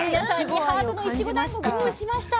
ハートのいちごだんごご用意しました。